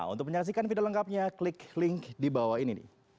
untuk menyaksikan video lengkapnya klik link di bawah ini